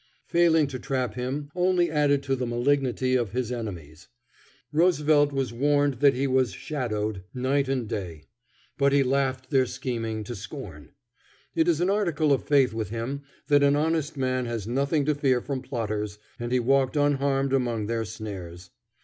Failing to trap him only added to the malignity of his enemies. Roosevelt was warned that he was "shadowed" night and day, but he laughed their scheming to scorn. It is an article of faith with him that an honest man has nothing to fear from plotters, and he walked unharmed among their snares.